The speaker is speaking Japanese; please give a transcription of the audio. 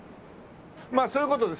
まあそういう事で！